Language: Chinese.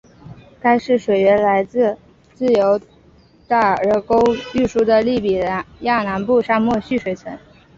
该市水源来自由大人工河输送的利比亚南部沙漠蓄水层。